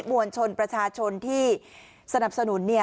มวลชนประชาชนที่สนับสนุน